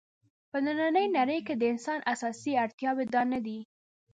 په نننۍ نړۍ کې د انسان اساسي اړتیاوې دا نه دي.